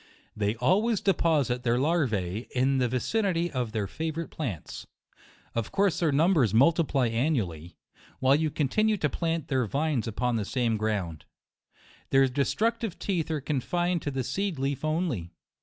They always deposit their larvae in the vi cinity of their favorite plants. Of course their numbers multiply annually, while you continue to plant their vines upon the same ground. Their destructive teeth are confined to the seed leaf only.